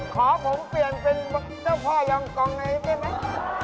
ขอผมเปลี่ยนเป็นเจ้าพ่อยองคลองนะไอ้เป็น